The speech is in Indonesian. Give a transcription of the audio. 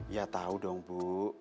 ya tau dong bu